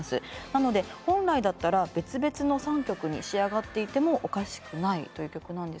なので本来だったら別々の３曲に仕上がっていてもおかしくないという曲なんですね。